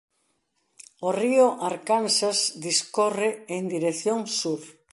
O río Arcansas discorre en dirección sur.